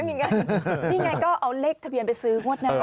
นี่ไงนี่ไงก็เอาเลขทะเบียนไปซื้องวดหน้า